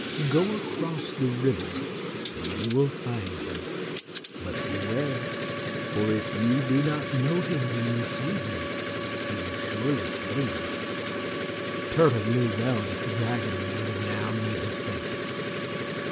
Go across the river and you will find him. But beware, for if you do not know him when you see him, he will surely kill you." Turtle knew well that the dragon man would now meet his fate.